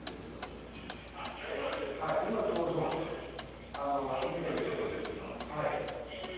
はい今ちょうどインタビューしてまして。